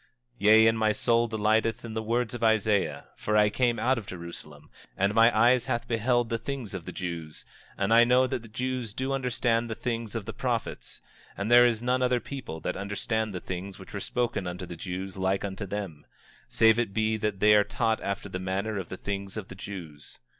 25:5 Yea, and my soul delighteth in the words of Isaiah, for I came out from Jerusalem, and mine eyes hath beheld the things of the Jews, and I know that the Jews do understand the things of the prophets, and there is none other people that understand the things which were spoken unto the Jews like unto them, save it be that they are taught after the manner of the things of the Jews.